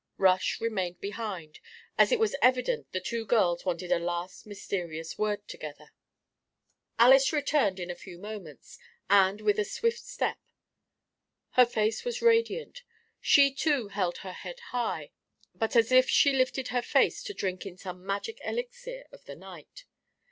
Rush remained behind, as it was evident the two girls wanted a last mysterious word together. Alys returned in a few moments, and with a swift step. Her face was radiant. She too held her head high, but as if she lifted her face to drink in some magic elixir of the night.